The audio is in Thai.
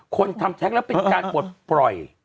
คนทำแท็กแล้วเป็นการปลดปล่อย